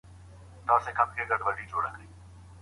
که داخلي ستونزي حل نسي نو بهرنی چلند نه بدلیږي.